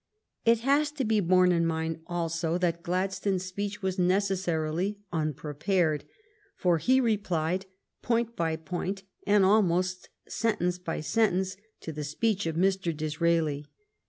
It has to be borne in mind also that Gladstone s speech was necessarily unprepared, for he replied point by point, and almost sentence by sentence, to the speech of Mr. Disraeli.